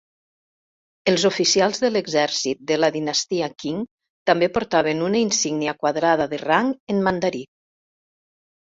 Els oficials de l'exèrcit de la dinastia Qing també portaven una insígnia quadrada de rang en mandarí.